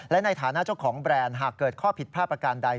และในฐานะเจ้าของแบรนด์หากเกิดข้อผิดพลาดประการใด